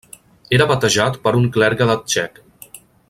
Era batejat per un clergue de txec.